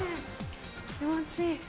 気持ちいい。